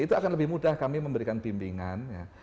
itu akan lebih mudah kami memberikan bimbingan ya